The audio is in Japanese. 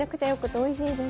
おいしいです。